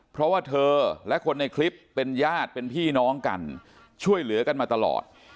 เพราะว่าเธอและคนในคลิปเป็นญาติเป็นพี่น้องกันช่วยเหลือกันมาตลอด